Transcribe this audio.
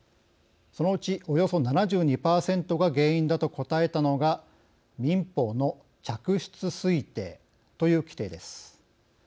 そのうちおよそ７２％が原因だと答えたのが、民法の嫡出推定という規定です。